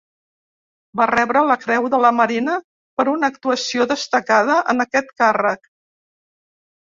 Va rebre la Creu de la Marina per una actuació destacada en aquest càrrec.